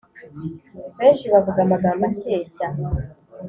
Benshi bavuga amagambo ashyeshya